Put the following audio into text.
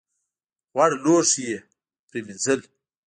غوړ لوښي یې پرېمینځل .